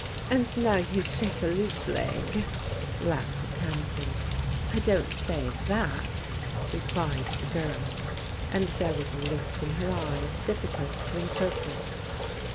" And now you shake a loose leg? " laughed Tamsin. " I don't say that," replied the girl, and there was a look in her eyes difficult to interpret.